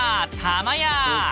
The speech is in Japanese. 「たまや！」